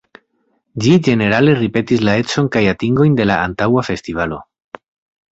Ĝi ĝenerale ripetis la ecojn kaj atingojn de la antaŭa festivalo.